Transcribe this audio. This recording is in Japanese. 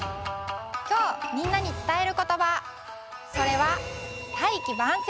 きょうみんなにつたえることばそれは「大器晩成」。